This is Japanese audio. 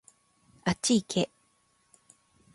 あっちいけ